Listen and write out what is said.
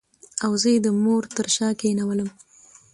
او زه یې د مور تر شا کېنولم.